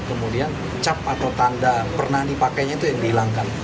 kemudian cap atau tanda pernah dipakainya itu yang dihilangkan